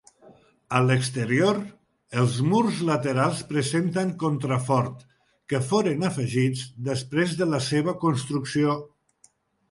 A l'exterior, els murs laterals presenten contrafort que foren afegits després de la seva construcció.